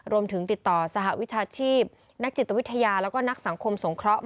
รวมถึงติดต่อสหวิชาชีพนักจิตวิทยาแล้วก็นักสังคมสงเคราะห์